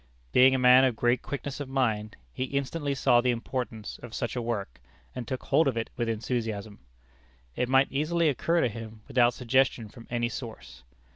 Being a man of great quickness of mind, he instantly saw the importance of such a work, and took hold of it with enthusiasm. It might easily occur to him without suggestion from any source.